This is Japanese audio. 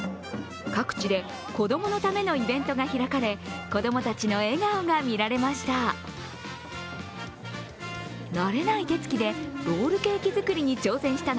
各地で子供のためのイベントが開かれ子供たちの笑顔が見られました。